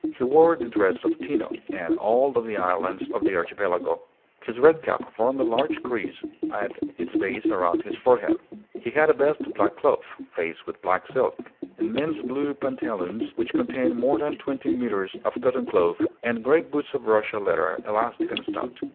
He wore the dress of Tino and of all the islands of the Archipelago. His red cap formed a large crease at its base around his forehead. He had a vest of black cloth, faced with black silk, immense blue pantaloons which contained more than twenty metres of cotton cloth, and great boots of Russia leather, elastic and stout.